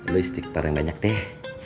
lu istiktar yang banyak deh